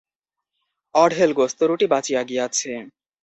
অঢেল গোস্ত-রুটি বাঁচিয়া গিয়াছে।